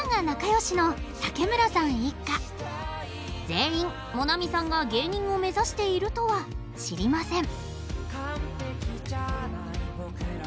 全員萌菜見さんが芸人を目指しているとは知りません。